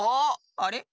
あれ？